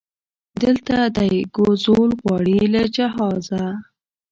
دلته دی کوزول غواړي له جهازه